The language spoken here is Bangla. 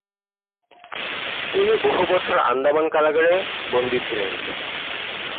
তিনি বহু বছর আন্দামান কারাগারে বন্দি ছিলেন।